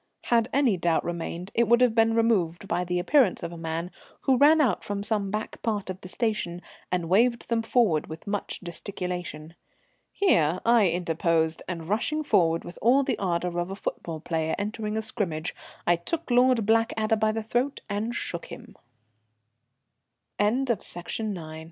Had any doubt remained, it would have been removed by the appearance of a man who ran out from some back part of the station and waved them forward with much gesticulation. Here I interposed, and, rushing forward with all the ardour of a football player entering a scrimmage, I took Lord Blackadder by the throat and shook